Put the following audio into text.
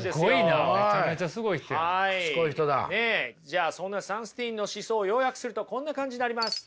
じゃあそんなサンスティーンの思想を要約するとこんな感じになります。